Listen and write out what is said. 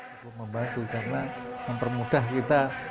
kita bisa membantu karena mempermudah kita